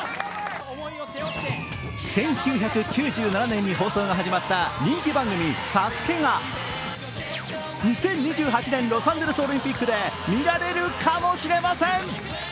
１９９７年に放送が始まった人気番組「ＳＡＳＵＫＥ」が２０２８年ロサンゼルスオリンピックでみられるかも知れません。